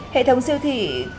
hệ thống siêu thị